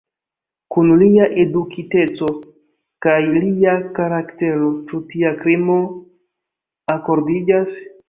Kun lia edukiteco kaj lia karaktero ĉu tia krimo akordiĝas?